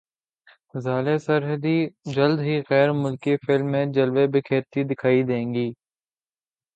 ژالے سرحدی جلد ہی غیر ملکی فلم میں جلوے بکھیرتی دکھائی دیں گی